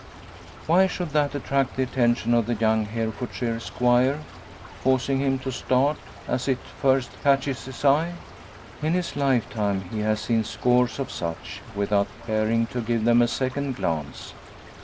Why should that attract the attention of the young Herefordshire squire, causing him to start, as it first catches his eye? In his lifetime he has seen scores of such, without caring to give them a second glance.